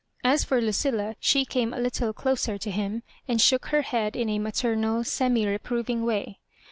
As for Lucilla, she came a little closer to him, and shook her head in a maternal, semi reproving way.